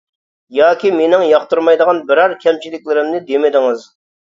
ياكى مېنىڭ ياقتۇرمايدىغان بىرەر كەمچىلىكلىرىمنى دېمىدىڭىز.